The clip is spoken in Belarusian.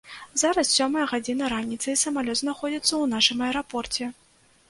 Зараз сёмая гадзіна раніцы, і самалёт знаходзіцца ў нашым аэрапорце.